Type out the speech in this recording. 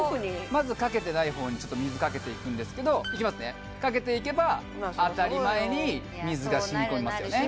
まずかけてない方に水かけていくんですけどいきますねかけていけば当たり前にまあそりゃそうよ水がしみ込みますよね